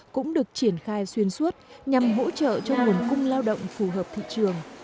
cũng được triển khai xuyên suốt nhằm hỗ trợ cho nguồn cung lao động phù hợp thị trường